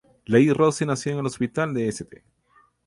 Lady Rose nació en el Hospital de St.